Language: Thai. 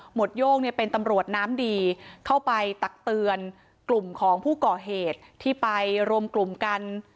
โย่งเนี่ยเป็นตำรวจน้ำดีเข้าไปตักเตือนกลุ่มของผู้ก่อเหตุที่ไปรวมกลุ่มกัน